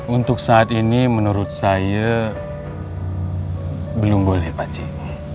untuk saat ini menurut saya belum boleh pace